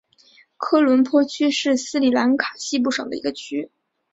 科伦坡区是斯里兰卡西部省的一个区。